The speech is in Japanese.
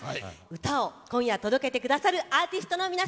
歌を今夜届けて下さるアーティストの皆さんです。